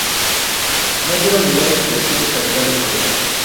No lleva ninguna inscripción que aclare su origen.